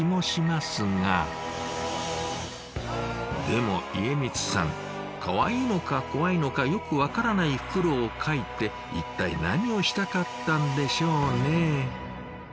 でも家光さんかわいいのか怖いのかよく分からないフクロウを描いて一体何をしたかったんでしょうね？